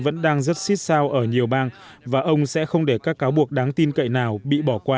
vẫn đang rất xích sao ở nhiều bang và ông sẽ không để các cáo buộc đáng tin cậy nào bị bỏ qua